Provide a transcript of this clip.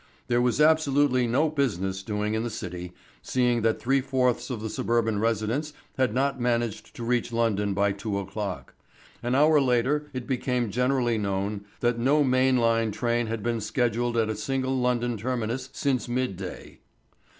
There was absolutely no business doing in the City, seeing that three fourths of the suburban residents had not managed to reach London by two o'clock. An hour later it became generally known that no main line train had been scheduled at a single London terminus since midday.